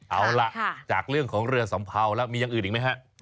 เอาล่ะจากเรื่องของเรือสัมเภาแล้วมีอย่างอื่นอีกไหมฮะ